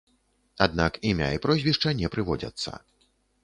Аднак імя і прозвішча не прыводзяцца.